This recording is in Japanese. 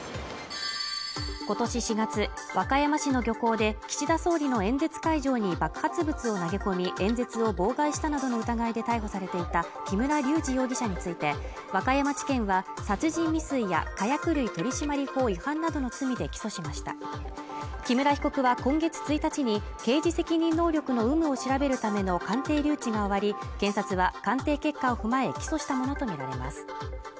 今年４月和歌山市の漁港で岸田総理の演説会場に爆発物を投げ込み演説を妨害したなどの疑いで逮捕されていた木村隆二容疑者について和歌山地検は殺人未遂や火薬類取締法違反などの罪で起訴しました木村被告は今月１日に刑事責任能力の有無を調べるための鑑定留置が終わり検察は鑑定結果を踏まえ起訴したものと見られます